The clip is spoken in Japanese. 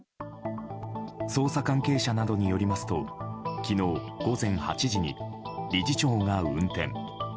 捜査関係者などによりますと昨日午前８時に理事長が運転。